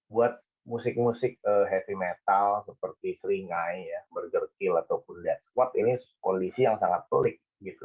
buat musik musik happy metal seperti seringai burger kill ataupun dead squad ini kondisi yang sangat pelik gitu